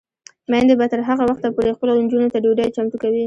میندې به تر هغه وخته پورې خپلو نجونو ته ډوډۍ چمتو کوي.